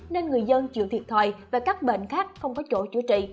nên người dân chịu thiệt thòi và các bệnh khác không có chỗ chữa trị